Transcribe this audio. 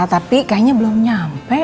tapi kayaknya belum nyampe